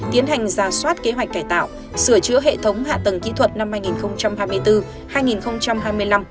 tiến hành ra soát kế hoạch cải tạo sửa chữa hệ thống hạ tầng kỹ thuật năm hai nghìn hai mươi bốn hai nghìn hai mươi năm